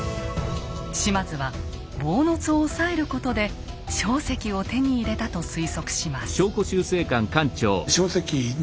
島津は坊津を押さえることで硝石を手に入れたと推測します。